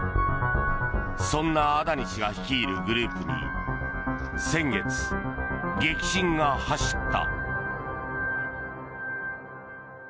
そんなアダニ氏が率いるグループに先月、激震が走った。